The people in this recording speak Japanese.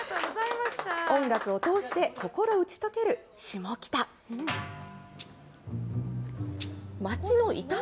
音楽を通して、心打ち解けるシモキタ。